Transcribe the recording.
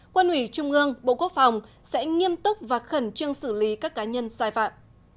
quân ủy trung ương bộ quốc phòng sẽ nghiêm túc và khẩn trương xử lý các cá nhân sai phạm